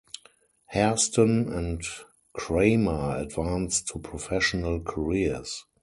Hairston and Kramer advanced to professional careers.